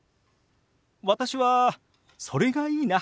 私はそれがいいな。